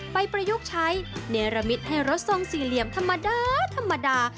ไปประยุกต์ชัยเนรมิตให้รถทรงสี่เหลี่ยมธรรมดา